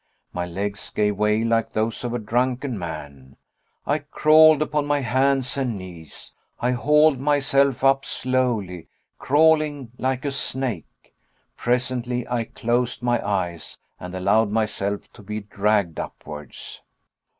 My legs gave way like those of a drunken man. I crawled upon my hands and knees; I hauled myself up slowly, crawling like a snake. Presently I closed my eyes, and allowed myself to be dragged upwards.